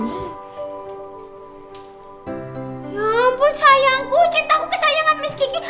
ya ampun sayangku cintaku kesayangan miss kiki